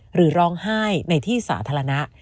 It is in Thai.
หรือร้องไห้ในที่สาธารณะ